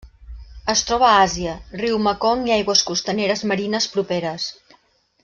Es troba a Àsia: riu Mekong i aigües costaneres marines properes.